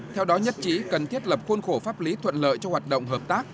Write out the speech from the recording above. theo đó nhất trí cần thiết lập khuôn khổ pháp lý thuận lợi cho hoạt động hợp tác